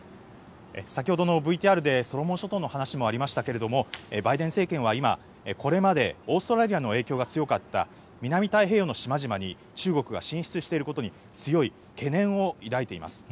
先ほどのＶＴＲでソロモン諸島の話もありましたけれども、バイデン政権は今、これまでオーストラリアの影響が強かった南太平洋の島々に中国が進出していることに、強い懸念を抱いています。